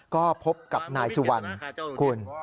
ก็พบกับนายสุวรรณคุณ